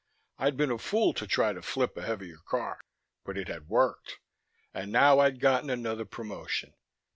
I'd been a fool to try to flip a heavier car but it had worked. And now I'd gotten another promotion.